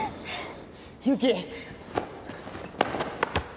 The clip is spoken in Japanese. ユキ！